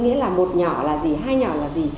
nghĩa là một nhỏ là gì hai nhỏ là gì